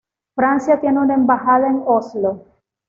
Francia tiene una embajada en Oslo.